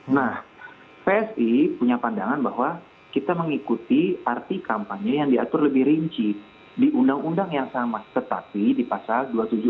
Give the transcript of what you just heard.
nah psi punya pandangan bahwa kita mengikuti arti kampanye yang diatur lebih rinci di undang undang yang sama tetapi di pasal dua ratus tujuh puluh